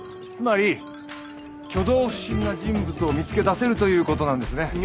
つまり挙動不審な人物を見つけ出せるという事なんですね。